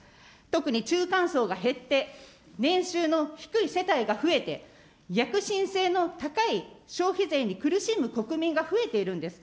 特に中間層が減って、年収の低い世帯が増えて、逆進性の高い消費税に苦しむ国民が増えているんです。